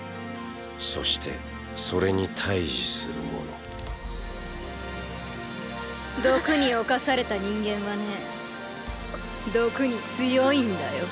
そしてそれに対峙する者毒に侵された人間はね毒に強いんだよ。